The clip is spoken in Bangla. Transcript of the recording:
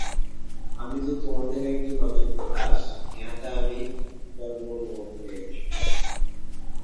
আমি যে তোমাদের একজন অযোগ্য দাস, ইহাতে আমি গর্ব অনুভব করিয়া থাকি।